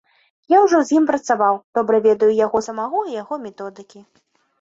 Я ўжо з ім працаваў, добра ведаю яго самога і яго методыкі.